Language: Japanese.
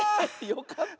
よかった！